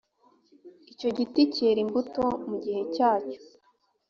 icyo giti cyera imbuto mugihe cyacyo